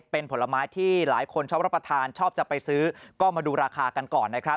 เป็นผลไม้ที่หลายคนชอบรับประทานชอบจะไปซื้อก็มาดูราคากันก่อนนะครับ